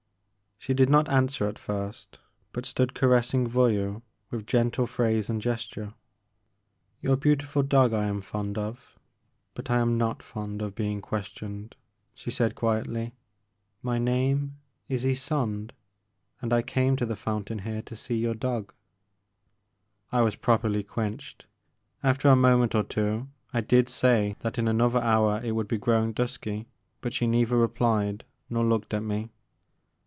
She did not answer at first but stood caressing Voyou with gentle phrase and gesture. 34 The Maker of Moons. 2 5 Your beautiful dog I am fond of, but I am not fond of being questioned, '' she said quietly. My name is Ysonde and I came to the fountain here to see your dog." I was properly quenched. After a moment or two I did say that in another hour it would be growing dusky, but she neither replied nor looked at me.